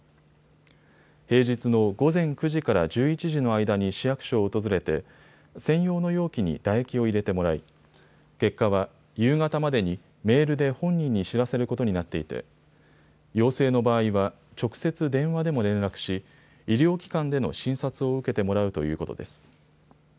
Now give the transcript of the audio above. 平日の午前９時から１１時の間に市役所を訪れて専用の容器に唾液を入れてもらい結果は夕方までにメールで本人に知らせることになっていて陽性の場合は直接、電話でも連絡し医療機関での診察を受けてもらうということです。